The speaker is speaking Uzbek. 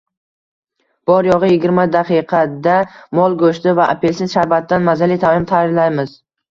Bor-yo‘g‘iyigirmadaqiqada mol go‘shti va apelsin sharbatidan mazali taom tayyorlaymiz